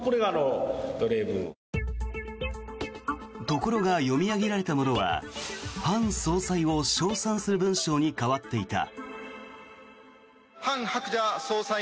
ところが読み上げられたものはハン総裁を称賛する文章に変わっていた。